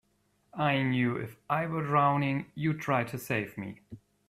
I knew if I were drowning you'd try to save me.